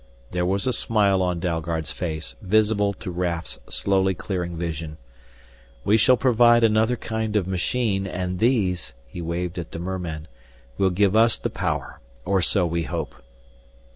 There was a smile on Dalgard's face, visible to Raf's slowly clearing vision. "We shall provide another kind of machine, and these" he waved at the mermen "will give us the power, or so we hope.